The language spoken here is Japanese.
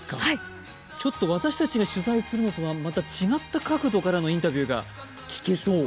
ちょっと私たちが取材するのとはまた違った角度からのインタビューが聞けそう。